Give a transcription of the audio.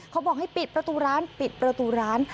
เขาบอกให้ปิดประตูร้านปิดประตูร้าน